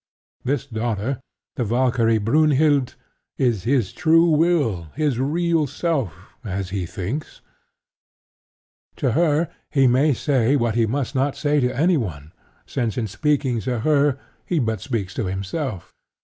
This daughter, the Valkyrie Brynhild, is his true will, his real self, (as he thinks): to her he may say what he must not say to anyone, since in speaking to her he but speaks to himself.